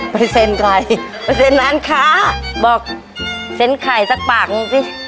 ไปเซ็นใครไปเซ็นน้านค้าบอกเซ็นไขสักปากสิ